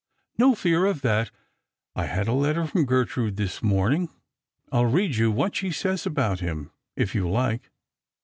" No fear of that. I had a letter from Gertrude this morning ; I'll read you what she says about him, if you like."